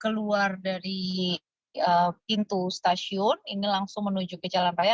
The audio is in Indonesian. keluar dari pintu stasiun ini langsung menuju ke jalan raya